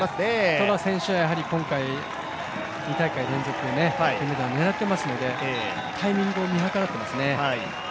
トラ選手は今回、２大会連続金メダルを狙ってますのでタイミングを見計らっていますね。